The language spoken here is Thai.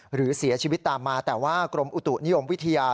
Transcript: หรือเสียชีวิตตามมาแต่ว่ากรมอุตุนิยมวิทยา